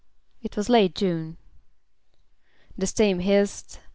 It was late June. The steam hissed.